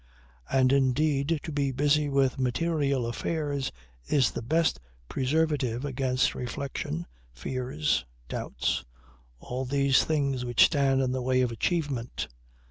And indeed to be busy with material affairs is the best preservative against reflection, fears, doubts all these things which stand in the way of achievement.